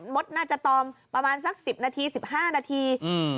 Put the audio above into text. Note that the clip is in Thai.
มดน่าจะตอมประมาณสัก๑๐นาที๑๕นาที